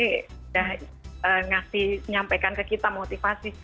sudah ngasih menyampaikan ke kita motivasi